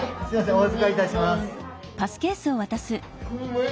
お預かりいたします。